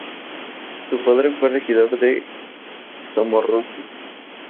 Su padre fue regidor de Somorrostro.